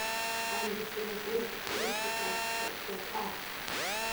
Алитературатә-критикатә статиақәа.